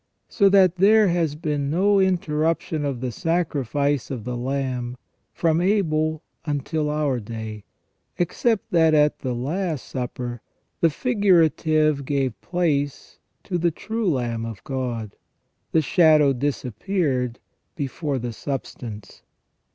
So that there has been no interruption of the sacrifice of the lamb from Abel until our day, except that at the Last Supper the figurative gave place to the true Lamb of God, the shadow disappeared before the substance.